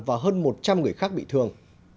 và hơn một trăm linh người khác bị thương